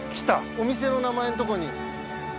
お店の名前のとこに。